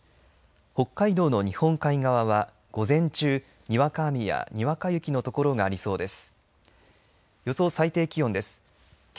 北海道の日本海側は午前中にわか雨やにわか雪の所がありそうです。